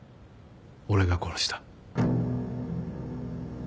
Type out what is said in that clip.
俺が殺した。